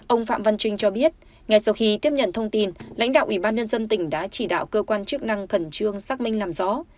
ông phạm văn trinh cho biết ngay sau khi tiếp nhận thông tin lãnh đạo ủy ban nhân dân tỉnh đã chỉ đạo cơ quan chức năng khẩn trương xác minh làm rõ